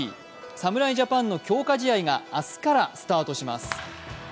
侍ジャパンの強化試合が明日からスタートします。